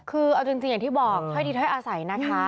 คือเอาจริงอย่างที่บอกถ้อยดีถ้อยอาศัยนะคะ